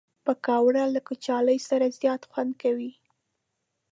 پکورې له کچالو سره زیات خوند کوي